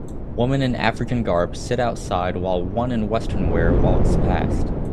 Women in African garb sit outside while one in Western wear walks past